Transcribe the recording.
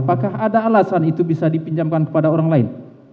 apakah ada alasan itu bisa dipinjamkan kepada orang lain